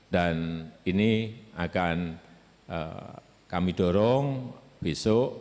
dan ini akan kami dorong besok